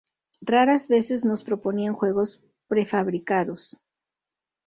Raras veces nos proponían juegos prefabricados.